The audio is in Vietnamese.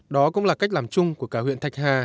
đó cũng là cách làm chung của cả huyện thạch hà